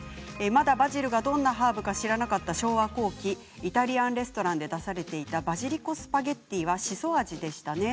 まだバジルがどんなハーブか知らなかった昭和後期イタリアンレストランで出されていたバジリコスパゲッティはしそ味でしたね。